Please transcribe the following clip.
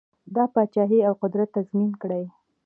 دا پاچهي او قدرت تضمین کړي.